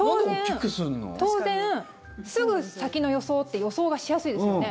当然、すぐ先の予想って予想がしやすいですよね。